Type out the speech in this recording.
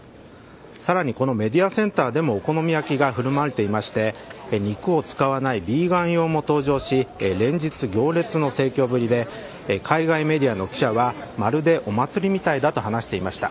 さらにこのメディアセンターでもお好み焼きが振る舞われていて肉を使わないビーガン用も登場し連日行列の盛況ぶりで海外メディアの記者はまるでお祭りみたいだと話していました。